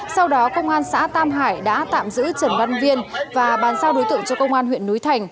sau đó công an xã tam hải đã tạm giữ trần văn viên và bàn giao đối tượng cho công an huyện núi thành